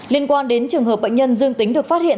liên quan đến trường hợp bệnh nhân dương tính được phát hiện